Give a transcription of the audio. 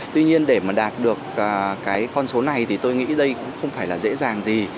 tuy nhiên để mà đạt được cái con số này thì tôi nghĩ đây cũng không phải là dễ dàng gì